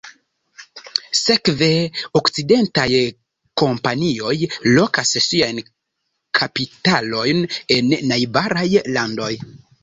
Sekve, okcidentaj kompanioj lokas siajn kapitalojn en najbaraj landoj.